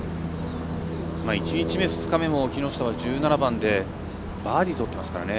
１日目、２日目も木下は１７番でバーディーとっていますからね。